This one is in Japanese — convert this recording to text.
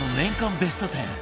ベスト１０